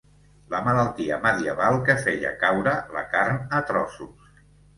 La malaltia medieval que feia caure la carn a trossos.